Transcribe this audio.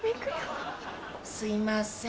すいません。